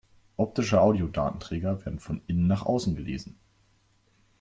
Optische Audiodatenträger werden von innen nach außen gelesen.